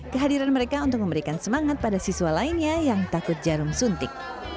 kehadiran mereka untuk memberikan semangat pada siswa lainnya yang takut jarum suntik